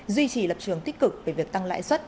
duy trì lập trường tích cực về việc tăng lãi suất